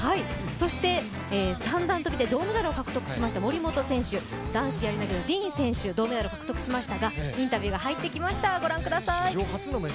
そして、三段跳びで銅メダルを獲得しました森本選手、男子やり投げのディーン選手銅メダルを獲得しましたがインタビューが入ってきました。